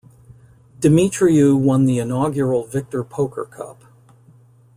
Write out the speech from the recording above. Demetriou won the inaugural Victor Poker Cup.